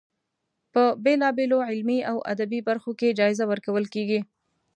په بېلا بېلو علمي او ادبي برخو کې جایزه ورکول کیږي.